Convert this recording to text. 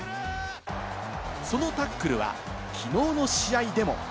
そのタックルはきのうの試合でも。